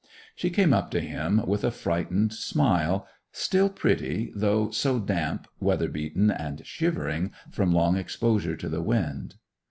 She came up to him with a frightened smile—still pretty, though so damp, weather beaten, and shivering from long exposure to the wind.